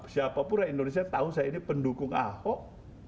siapapun rakyat indonesia tahu saya ini pendukung ahok